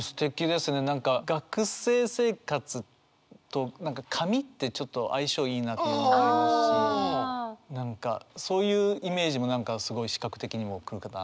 何か学生生活と紙ってちょっと相性いいなというのもありますし何かそういうイメージもすごい視覚的にもくるかなと思いましたね。